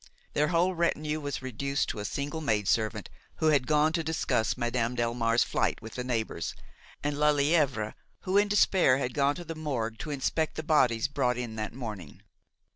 Their whole retinue was reduced to a single maid servant, who had gone to discuss Madame Delmare's flight with the neighbors, and Lelièvre, who, in despair, had gone to the morgue to inspect the bodies brought in that morning.